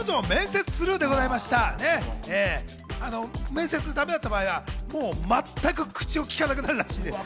面接がだめだった場合はもう全く口をきかなくなるらしいです。